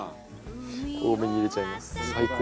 多めに入れちゃいます。